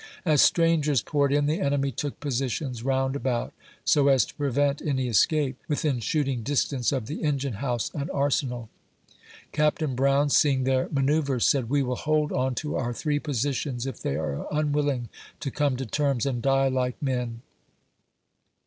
As strangars poured in, the enemy took positions round about, so as to prevent any escape, within shooting distance of the engine house and Arsenal. Capt. Brown, seeing their manoeuvres, said :" We will hold on to our three positions, if they are unwilling to come to terms, and die like men."